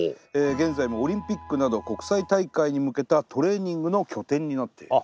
現在もオリンピックなど国際大会に向けたトレーニングの拠点になっている。